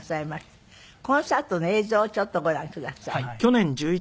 コンサートの映像をちょっとご覧ください。